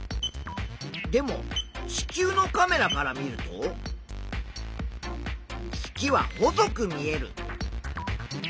でも地球のカメラから見ると月は細く見える。